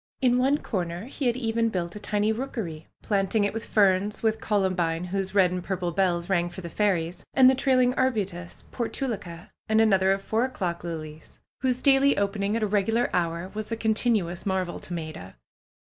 In one corner he had even built a tiny rookery, planting it with ferns; with columbine, whose red and purple bells rang for the fairies, and the trailing arbutus, portulacca, and another of four o'clock lilies, whose daily opening at a regular hour was a continuous mar vel to Maida.